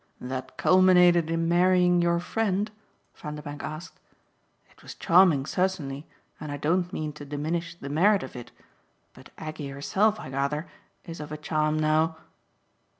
"That culminated in marrying your friend?" Vanderbank asked. "It was charming certainly, and I don't mean to diminish the merit of it. But Aggie herself, I gather, is of a charm now